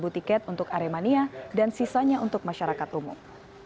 empat tiket untuk aremania dan sisanya untuk masyarakat umum